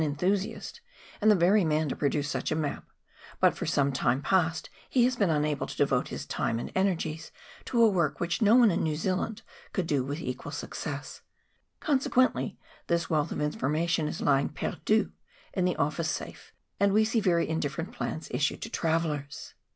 299 enthusiast, and the very man to produce such a map, but for some time past he has been unable to devote his time and energies to a work which no one in JN^ew Zealand could do with equal success ; consequently this wealth of information is lying perdu in the office safe, and we see very indifferent plans issued to travellers.